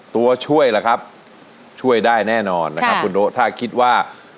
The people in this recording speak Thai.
ตัวช่วยล่ะครับช่วยได้แน่นอนนะครับคุณโด๊ถ้าคิดว่า